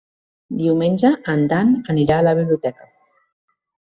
Diumenge en Dan anirà a la biblioteca.